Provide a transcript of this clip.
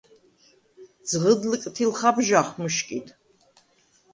ძღჷდ ლჷკთილ ხაბჟახ მჷშკიდ.